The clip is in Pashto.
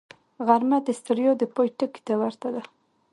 غرمه د ستړیا د پای ټکي ته ورته ده